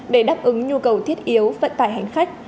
để đáp ứng nhu cầu thiết yếu vận tải hành khách